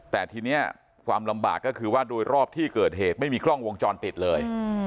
แต่ทีนี้ความลำบากก็คือว่าโดยรอบที่เกิดเหตุไม่มีกล้องวงจรปิดเลย